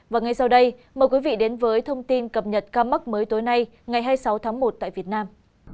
và ngay sau đây mời quý vị đến với thông tin cập nhật ca mắc mới tối nay ngày hai mươi sáu tháng một tại việt nam